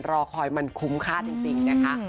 รอคอยมันคุ้มค่าจริงนะคะ